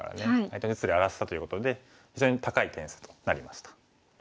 相手の実利荒らしたということで非常に高い点数となりました。